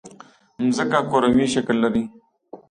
مځکه کروي شکل لري.